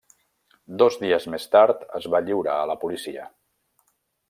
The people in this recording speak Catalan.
Dos dies més tard, es va lliurar a la policia.